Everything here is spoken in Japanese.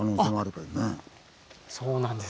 そうなんです。